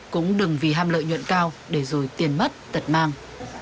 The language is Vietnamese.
cũng đừng vì ham lợi nhuận cao để rồi tiền mất tật mang